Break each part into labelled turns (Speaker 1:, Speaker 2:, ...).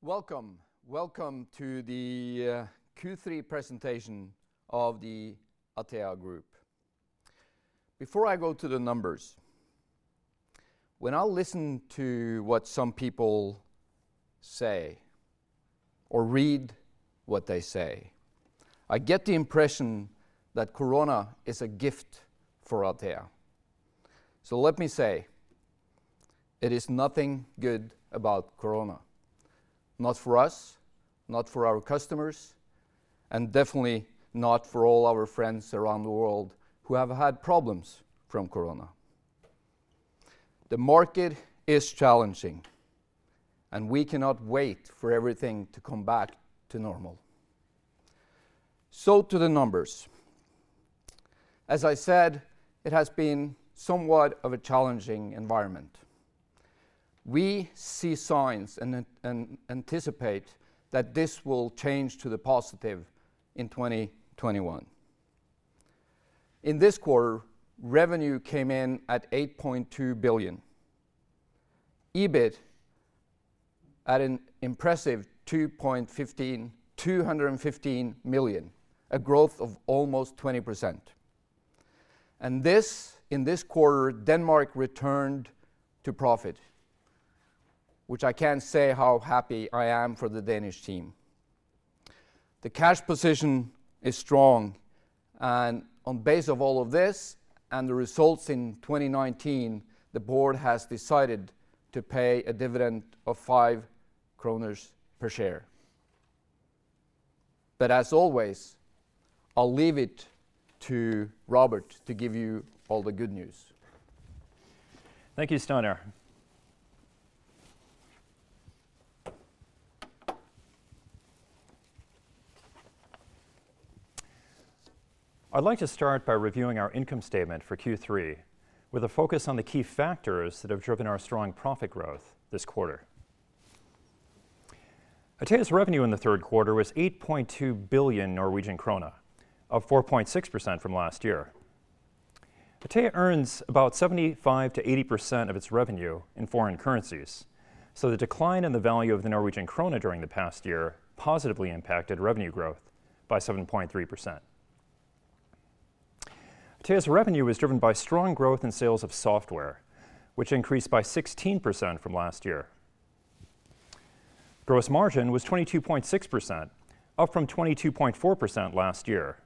Speaker 1: Welcome to the Q3 presentation of the Atea Group. Before I go to the numbers, when I listen to what some people say or read what they say, I get the impression that corona is a gift for Atea. Let me say, it is nothing good about corona. Not for us, not for our customers, and definitely not for all our friends around the world who have had problems from corona. The market is challenging, and we cannot wait for everything to come back to normal. To the numbers. As I said, it has been somewhat of a challenging environment. We see signs and anticipate that this will change to the positive in 2021. In this quarter, revenue came in at 8.2 billion, EBIT at an impressive 215 million, a growth of almost 20%. In this quarter, Atea Denmark returned to profit, which I can't say how happy I am for the Danish team. The cash position is strong, and on base of all of this and the results in 2019, the board has decided to pay a dividend of NOK five per share. As always, I'll leave it to Robert to give you all the good news.
Speaker 2: Thank you, Steinar. I'd like to start by reviewing our income statement for Q3 with a focus on the key factors that have driven our strong profit growth this quarter. Atea's revenue in the Q3 was 8.2 billion Norwegian krone, up 4.6% from last year. The decline in the value of the NOK during the past year positively impacted revenue growth by 7.3%. Atea's revenue was driven by strong growth in sales of software, which increased by 16% from last year. Gross margin was 22.6%, up from 22.4% last year,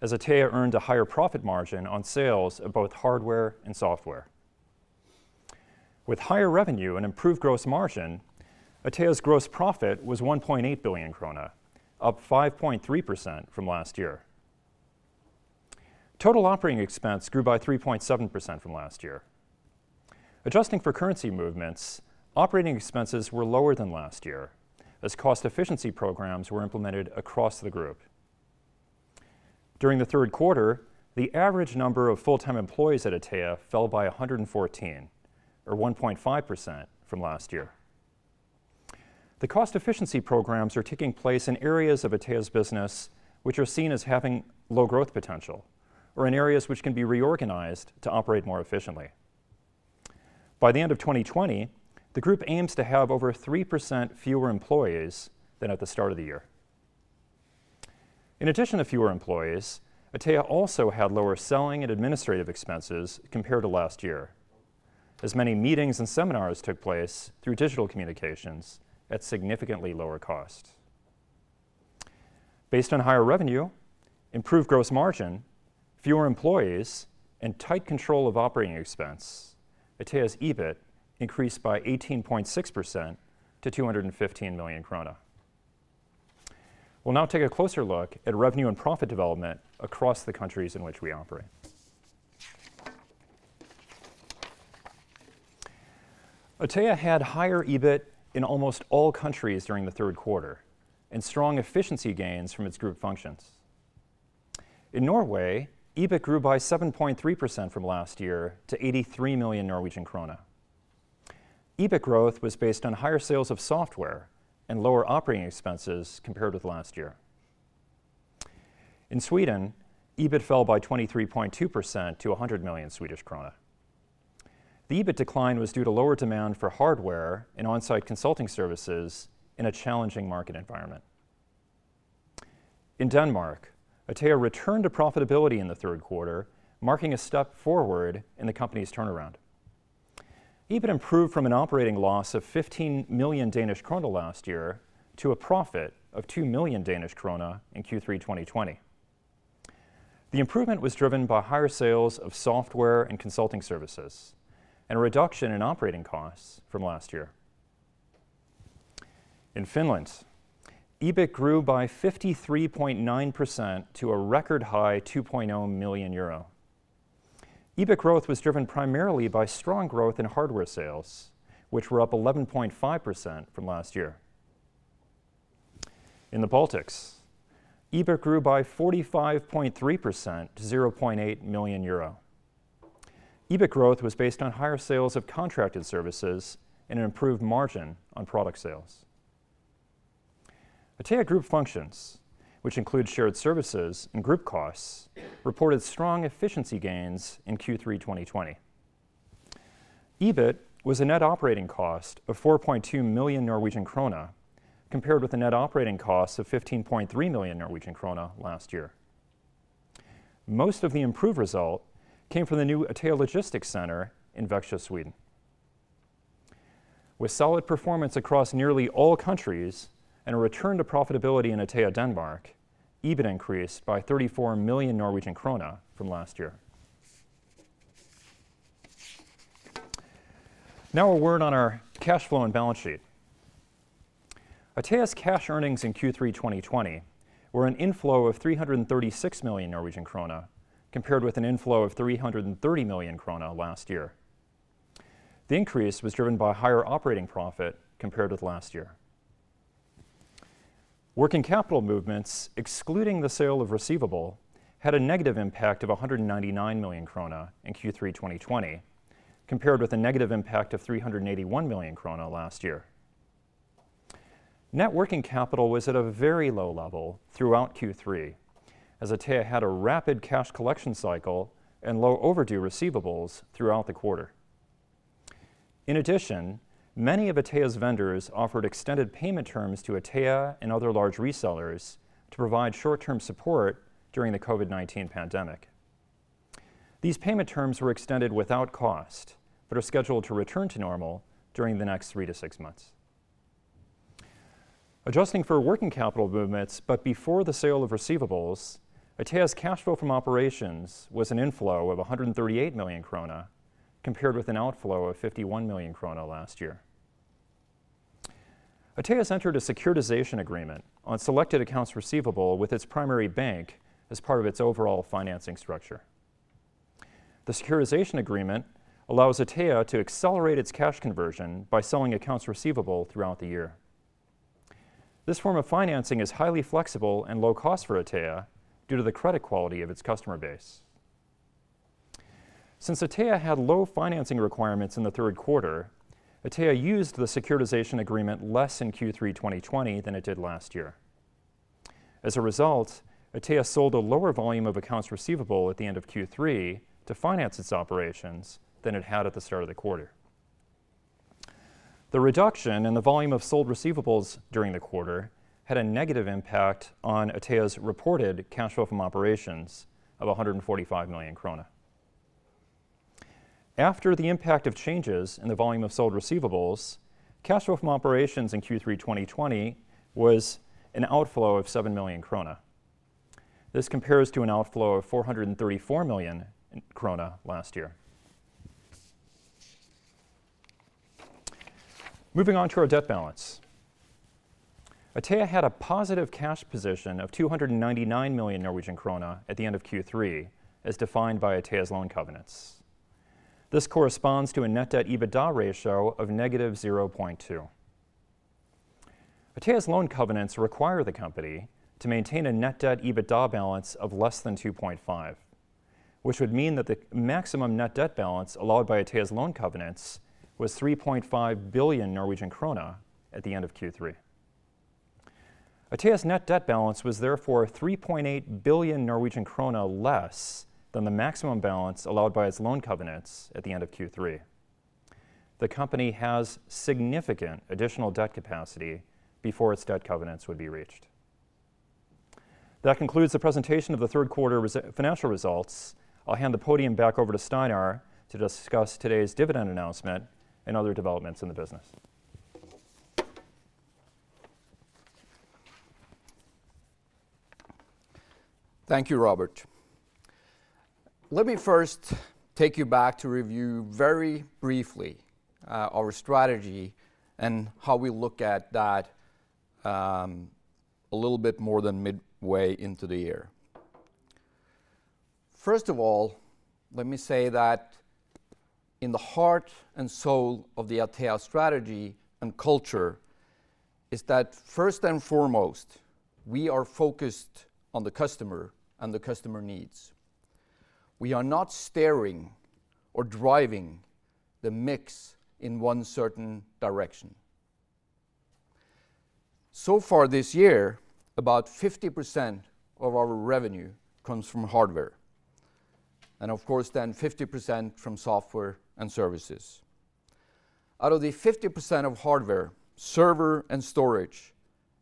Speaker 2: as Atea earned a higher profit margin on sales of both hardware and software. With higher revenue and improved gross margin, Atea's gross profit was 1.8 billion krone, up 5.3% from last year. Total operating expense grew by 3.7% from last year. Adjusting for currency movements, operating expenses were lower than last year, as cost efficiency programs were implemented across the group. During the Q3, the average number of full-time employees at Atea fell by 114, or 1.5% from last year. The cost efficiency programs are taking place in areas of Atea's business which are seen as having low growth potential or in areas which can be reorganized to operate more efficiently. By the end of 2020, the group aims to have over 3% fewer employees than at the start of the year. In addition to fewer employees, Atea also had lower selling and administrative expenses compared to last year, as many meetings and seminars took place through digital communications at significantly lower cost. Based on higher revenue, improved gross margin, fewer employees, and tight control of operating expense, Atea's EBIT increased by 18.6% to 215 million krone. We'll now take a closer look at revenue and profit development across the countries in which we operate. Atea had higher EBIT in almost all countries during the Q3 and strong efficiency gains from its Group Functions. In Norway, EBIT grew by 7.3% from last year to 83 million Norwegian krone. EBIT growth was based on higher sales of software and lower operating expenses compared with last year. In Sweden, EBIT fell by 23.2% to SEK 100 million. The EBIT decline was due to lower demand for hardware and on-site consulting services in a challenging market environment. In Denmark, Atea returned to profitability in the Q3, marking a step forward in the company's turnaround. EBIT improved from an operating loss of 15 million Danish krone last year to a profit of 2 million Danish krone in Q3 2020. The improvement was driven by higher sales of software and consulting services and a reduction in operating costs from last year. In Finland, EBIT grew by 53.9% to a record high 2.0 million euro. EBIT growth was driven primarily by strong growth in hardware sales, which were up 11.5% from last year. In the Baltics, EBIT grew by 45.3% to 0.8 million euro. EBIT growth was based on higher sales of contracted services and an improved margin on product sales. Atea Group Functions, which includes shared services and group costs, reported strong efficiency gains in Q3 2020. EBIT was a net operating cost of 4.2 million Norwegian krone, compared with the net operating costs of 15.3 million Norwegian krone last year. Most of the improved result came from the new Atea logistics center in Växjö, Sweden. With solid performance across nearly all countries and a return to profitability in Atea Denmark, EBIT increased by 34 million Norwegian krone from last year. Now a word on our cash flow and balance sheet. Atea's cash earnings in Q3 2020 were an inflow of 336 million Norwegian krone, compared with an inflow of 330 million krone last year. The increase was driven by higher operating profit compared with last year. Working capital movements, excluding the sale of receivable, had a negative impact of 199 million krone in Q3 2020, compared with a negative impact of 381 million krone last year. Net working capital was at a very low level throughout Q3, as Atea had a rapid cash collection cycle and low overdue receivables throughout the quarter. In addition, many of Atea's vendors offered extended payment terms to Atea and other large resellers to provide short-term support during the COVID-19 pandemic. These payment terms were extended without cost, but are scheduled to return to normal during the next three to six months. Adjusting for working capital movements but before the sale of receivables, Atea's cash flow from operations was an inflow of 138 million krone, compared with an outflow of 51 million krone last year. Atea entered a securitization agreement on selected accounts receivable with its primary bank as part of its overall financing structure. The securitization agreement allows Atea to accelerate its cash conversion by selling accounts receivable throughout the year. This form of financing is highly flexible and low cost for Atea due to the credit quality of its customer base. Since Atea had low financing requirements in the Q3, Atea used the securitization agreement less in Q3 2020 than it did last year. As a result, Atea sold a lower volume of accounts receivable at the end of Q3 to finance its operations than it had at the start of the quarter. The reduction in the volume of sold receivables during the quarter had a negative impact on Atea's reported cash flow from operations of 145 million krone. After the impact of changes in the volume of sold receivables, cash flow from operations in Q3 2020 was an outflow of 7 million krone. This compares to an outflow of 434 million krone last year. Moving on to our debt balance. Atea had a positive cash position of 299 million Norwegian krone at the end of Q3, as defined by Atea's loan covenants. This corresponds to a net debt EBITDA ratio of negative 0.2. Atea's loan covenants require the company to maintain a net debt EBITDA balance of less than 2.5, which would mean that the maximum net debt balance allowed by Atea's loan covenants was 3.5 billion Norwegian krone at the end of Q3. Atea's net debt balance was therefore 3.8 billion Norwegian krone less than the maximum balance allowed by its loan covenants at the end of Q3. The company has significant additional debt capacity before its debt covenants would be reached. That concludes the presentation of the Q3 financial results. I'll hand the podium back over to Steinar to discuss today's dividend announcement and other developments in the business.
Speaker 1: Thank you, Robert. Let me first take you back to review very briefly our strategy and how we look at that a little bit more than midway into the year. First of all, let me say that in the heart and soul of the Atea strategy and culture is that first and foremost, we are focused on the customer and the customer needs. We are not steering or driving the mix in one certain direction. So far this year, about 50% of our revenue comes from hardware, and of course then 50% from software and services. Out of the 50% of hardware, server and storage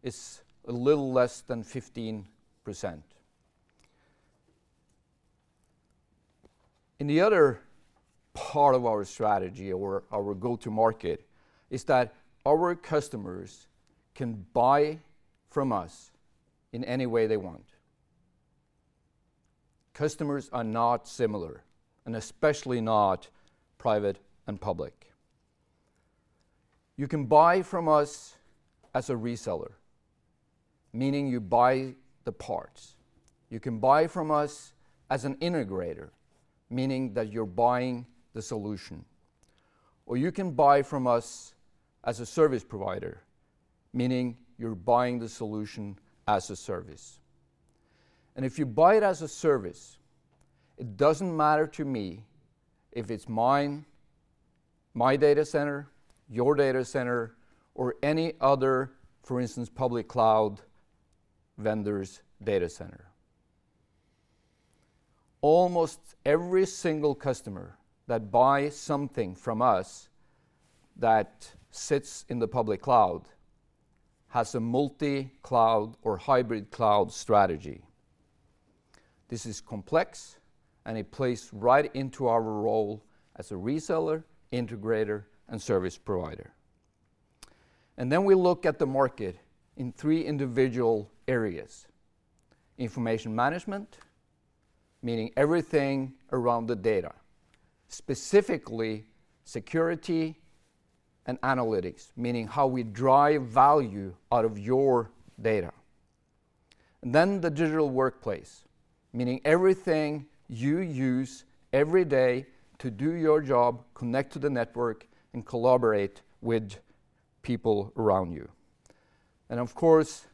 Speaker 1: is a little less than 15%. The other part of our strategy or our go-to market is that our customers can buy from us in any way they want. Customers are not similar, especially not private and public. You can buy from us as a reseller, meaning you buy the parts. You can buy from us as an integrator, meaning that you're buying the solution. You can buy from us as a service provider, meaning you're buying the solution as a service. If you buy it as a service, it doesn't matter to me if it's my data center, your data center, or any other, for instance, public cloud vendor's data center. Almost every single customer that buys something from us that sits in the public cloud has a multi-cloud or hybrid cloud strategy. This is complex, and it plays right into our role as a reseller, integrator, and service provider. We look at the market in three individual areas. Information management, meaning everything around the data, specifically security and analytics, meaning how we drive value out of your data. The digital workplace, meaning everything you use every day to do your job, connect to the network, and collaborate with people around you. Of course,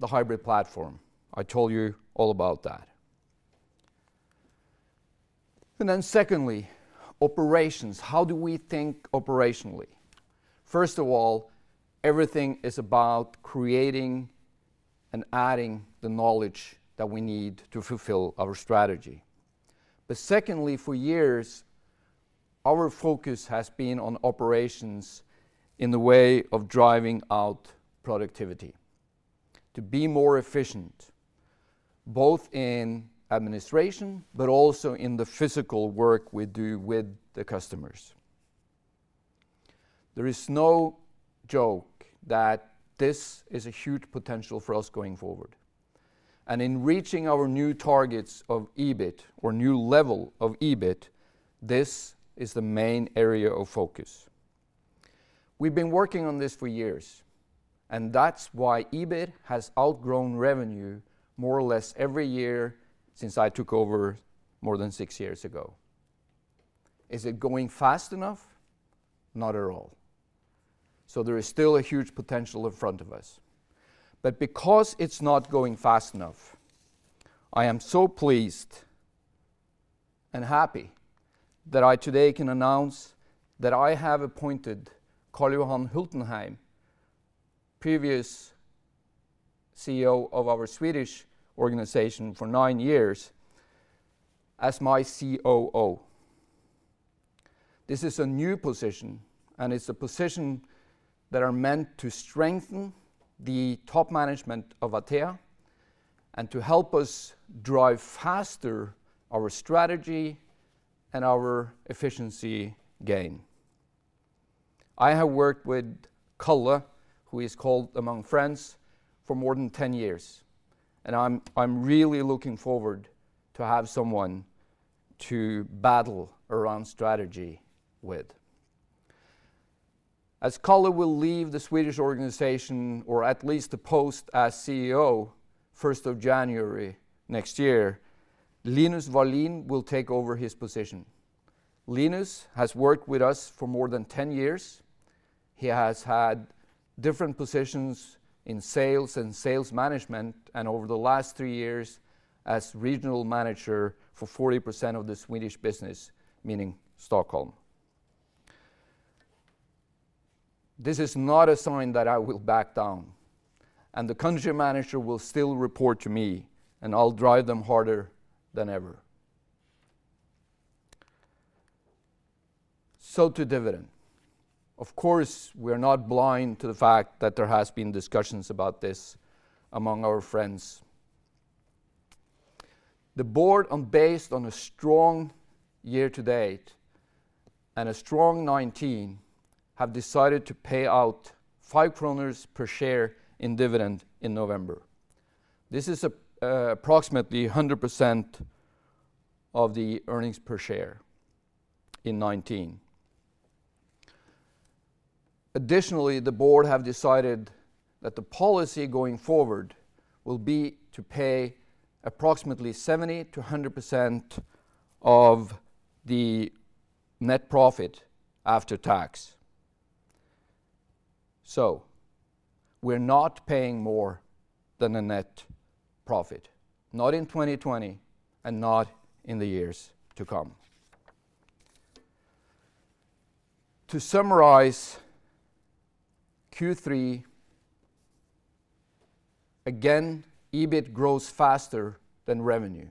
Speaker 1: the hybrid platform. I told you all about that. Secondly, operations. How do we think operationally? First of all, everything is about creating and adding the knowledge that we need to fulfill our strategy. Secondly, for years, our focus has been on operations in the way of driving out productivity to be more efficient, both in administration but also in the physical work we do with the customers. There is no joke that this is a huge potential for us going forward. In reaching our new targets of EBIT or new level of EBIT, this is the main area of focus. We've been working on this for years, that's why EBIT has outgrown revenue more or less every year since I took over more than six years ago. Is it going fast enough? Not at all. There is still a huge potential in front of us. Because it's not going fast enough, I am so pleased and happy that I today can announce that I have appointed Carl-Johan Hultenheim, previous CEO of our Swedish organization for nine years, as my COO. This is a new position, and it's a position that are meant to strengthen the top management of Atea and to help us drive faster our strategy and our efficiency gain. I have worked with Kalle, who he's called among friends, for more than 10 years, and I'm really looking forward to have someone to battle around strategy with. As Kalle will leave the Swedish organization, or at least the post as CEO, 1 January next year, Linus Wallin will take over his position. Linus has worked with us for more than 10 years. He has had different positions in sales and sales management, and over the last three years as regional manager for 40% of the Swedish business, meaning Stockholm. This is not a sign that I will back down, and the country manager will still report to me, and I'll drive them harder than ever. To dividend. Of course, we're not blind to the fact that there has been discussions about this among our friends. The board, based on a strong year to date and a strong 2019, have decided to pay out NOK five per share in dividend in November. This is approximately 100% of the earnings per share in 2019. Additionally, the board have decided that the policy going forward will be to pay approximately 70%-100% of the net profit after tax. We're not paying more than the net profit, not in 2020 and not in the years to come. To summarize Q3, again, EBIT grows faster than revenue.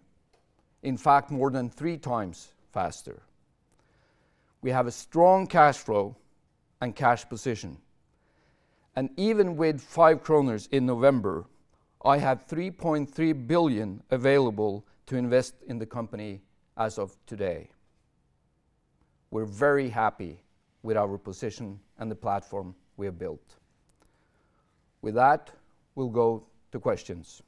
Speaker 1: In fact, more than three times faster. We have a strong cash flow and cash position, even with five NOK in November, I have 3.3 billion available to invest in the company as of today. We're very happy with our position and the platform we have built. With that, we'll go to questions.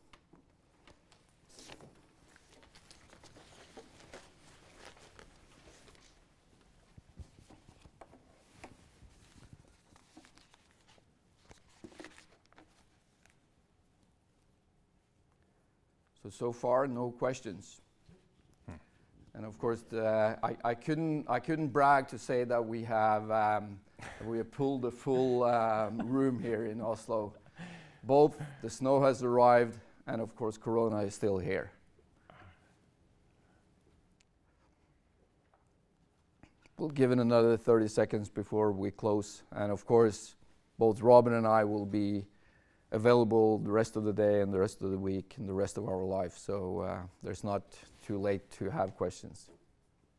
Speaker 1: So far, no questions. Of course, I couldn't brag to say that we have pulled a full room here in Oslo. Both the snow has arrived and of course, corona is still here. We'll give it another 30 seconds before we close, and of course, both Robert and I will be available the rest of the day and the rest of the week and the rest of our life, so it's not too late to have questions.